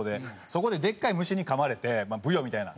そこででっかい虫にかまれてブヨみたいな。